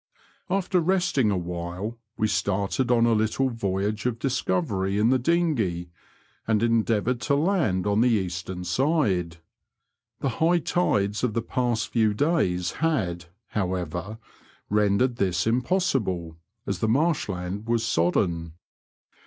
After resting awhile we started on a little voyage of discovery in the clinghey, and endeavoured to land on the eastern side. The Jiigh tides of the past few days had, however, rendered this impossible, as the marshland was sodden.